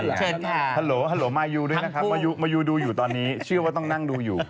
เชิญค่ะฮัลโหลฮัลโหลมายูด้วยนะครับมายูดูอยู่ตอนนี้เชื่อว่าต้องนั่งดูอยู่